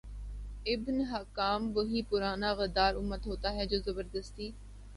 ابن حکام وہی پرانا غدار امت ہوتا ہے جو زبردستی